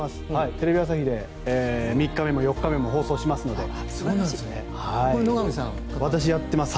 テレビ朝日で３日目も４日目も放送しますので、見られます。